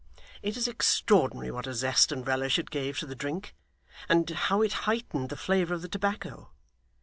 It is extraordinary what a zest and relish it gave to the drink, and how it heightened the flavour of the tobacco.